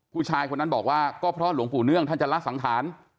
ผู้ชายคนนั้นบอกว่าก็เพราะหลวงปู่เนื่องท่านจะละสังขาร